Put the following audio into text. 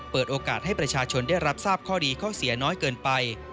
เปิดโอกาสให้ประชาชนได้รับทราบข้อดีข้อเสียน้อยเกินไป